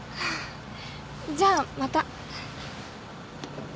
じゃあまた。